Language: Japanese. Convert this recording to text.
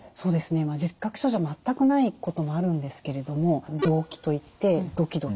全くないこともあるんですけれども動悸といってドキドキ。